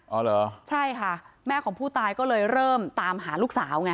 อ๋อเหรอใช่ค่ะแม่ของผู้ตายก็เลยเริ่มตามหาลูกสาวไง